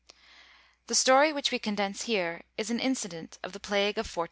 The story which we condense here is an incident of the plague of 1400.